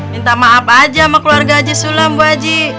minta maaf aja sama keluarga haji sulam bu aji